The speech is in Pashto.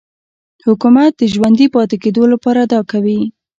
حکومت د ژوندي پاتې کېدو لپاره دا کوي.